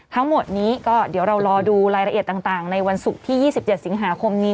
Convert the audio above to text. ทั้งหมดนี้ก็เดี๋ยวเรารอดูรายละเอียดต่างในวันศุกร์ที่๒๗สิงหาคมนี้